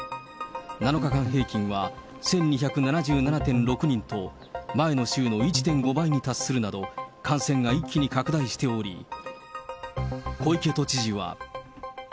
７日間平均は１２７７．６人と、前の週の１．５倍に達するなど、感染が一気に拡大しており、小池都知事は。